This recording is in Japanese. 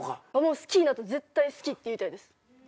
好きになったら絶対好きって言いたいです。